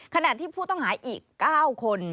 ขนาดที่ผู้ต้องขาดอีก๙คน